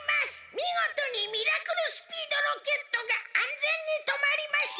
みごとにミラクルスピードロケットがあんぜんにとまりました！